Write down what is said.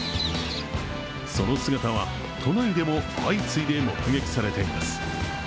その姿は都内でも相次いで目撃されています。